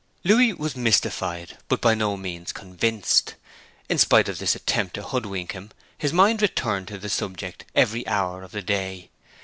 Louis was mystified, but by no means convinced. In spite of this attempt to hoodwink him his mind returned to the subject every hour of the day.